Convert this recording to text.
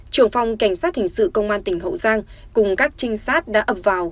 trưởng phòng cảnh sát hình sự công an tỉnh hậu giang cùng các trinh sát đã ập vào